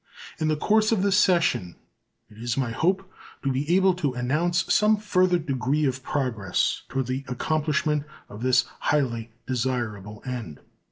In the course of the session it is my hope to be able to announce some further degree of progress toward the accomplishment of this highly desirable end.